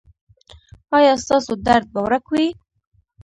ایا ستاسو درد به ورک وي؟